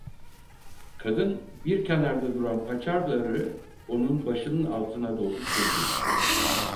Kadın bir kenarda duran paçavraları onun başının altına doğru sürdü.